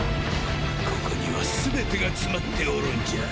ここには全てが詰まっておるんじゃ！